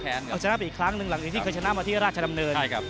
เอาชนะไปอีกครั้งหนึ่งหลังจากที่เคยชนะมาที่ราชดำเนิน